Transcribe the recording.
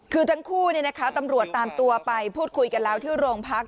คือทั้งคู่ตำรวจตามตัวไปพูดคุยกันแล้วที่โรงพัก